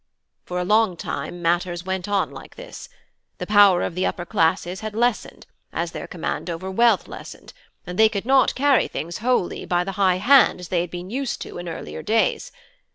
For a long time matters went on like this. The power of the upper classes had lessened, as their command over wealth lessened, and they could not carry things wholly by the high hand as they had been used to in earlier days.